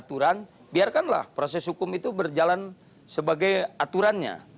aturan biarkanlah proses hukum itu berjalan sebagai aturannya